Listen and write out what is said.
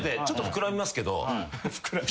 ちょっと膨らみますけど。